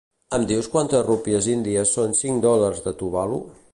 Em dius quantes rúpies índies són cinc dòlars de Tuvalu?